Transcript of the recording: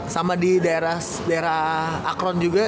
sama di daerah akron juga